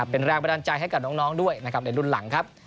เป็นแรงประดันใจให้กับน้องด้วยในรุ่นหลังครับ